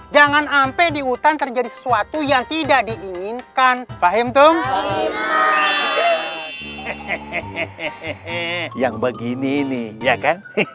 jangan ampe dihutan terjadi sesuatu yang tidak diinginkan paham tum yang begini ini ya kan